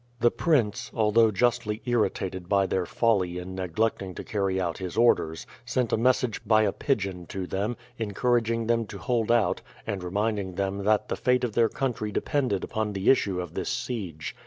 The prince, although justly irritated by their folly in neglecting to carry out his orders, sent a message by a pigeon to them, encouraging them to hold out, and reminding them that the fate of their country depended upon the issue of this siege.